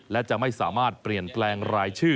และจะไม่สามารถเปลี่ยนแปลงรายชื่อ